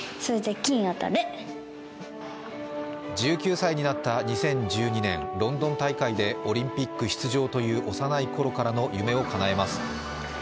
１９歳になった２０１２年、ロンドン大会でオリンピック出場という幼いころからの夢をかなえます。